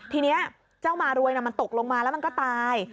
ทีนี้เจ้ามารวยมันตกลงมาแล้วมันก็ตาย